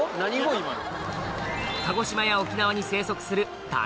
今の。